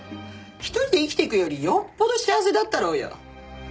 一人で生きていくよりよっぽど幸せだったろうよ。